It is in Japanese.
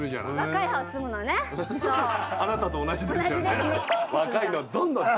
あなたと同じですよね。